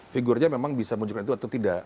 figurnya memang bisa menunjukkan itu atau tidak